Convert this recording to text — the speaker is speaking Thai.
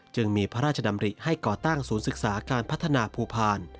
จึงมีพระราชดำริให้ก่อตั้งศูนย์ศึกษาการพัฒนาภูพาล